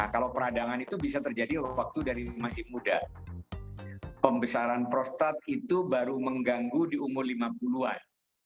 kalau peradangan itu bisa terjadi waktu dari masih muda pembesaran prostat itu baru mengganggu di umur lima puluh an